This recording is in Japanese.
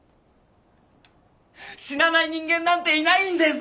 死なない人間なんていないんです！